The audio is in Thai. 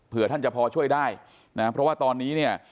เผื่อท่านจะพอช่วยได้เพราะว่าตอนนี้